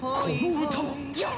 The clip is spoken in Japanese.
この歌は！